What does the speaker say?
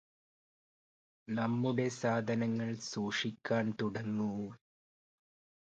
നമ്മുടെ സാധനങ്ങള് സൂക്ഷിക്കാന് തുടങ്ങൂ